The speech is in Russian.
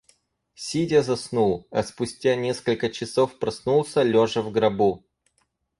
Сидя заснул, а спустя несколько часов проснулся лежа в гробу.